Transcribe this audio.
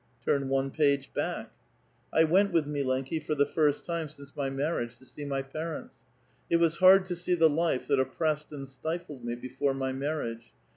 '' Tui*n one page back." " I went with milenki for the first time since my marriage to see my parents. It was hard to see the life that oppressed and stifled me before my marriage.